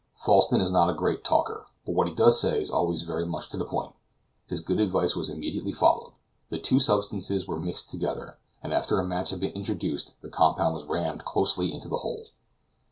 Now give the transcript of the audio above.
Falsten is not a great talker, but what he does say is always very much to the point. His good advice was immediately followed; the two substances were mixed together, and after a match had been introduced the compound was rammed closely into the hole.